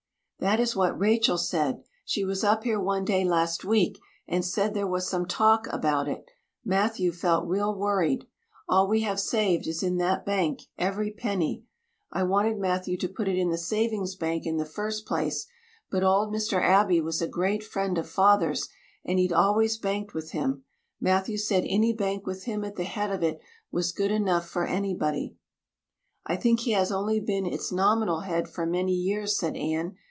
"That is what Rachel said. She was up here one day last week and said there was some talk about it. Matthew felt real worried. All we have saved is in that bank every penny. I wanted Matthew to put it in the Savings Bank in the first place, but old Mr. Abbey was a great friend of father's and he'd always banked with him. Matthew said any bank with him at the head of it was good enough for anybody." "I think he has only been its nominal head for many years," said Anne.